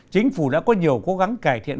chính phủ đã có nhiều cố gắng cải thiện